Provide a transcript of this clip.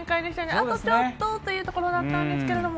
あとちょっとというところだったんですけども。